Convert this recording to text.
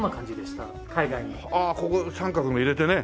ああここ三角も入れてね。